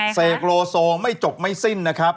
เสกโลโซไม่จบไม่สิ้นนะครับ